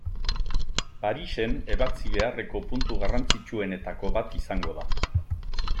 Parisen ebatzi beharreko puntu garrantzitsuenetako bat izango da.